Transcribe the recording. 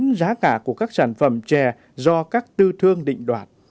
phần lớn giá cả của các sản phẩm chè do các tư thương định đoạt